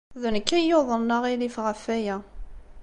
D nekk ay yuḍnen aɣilif ɣef waya.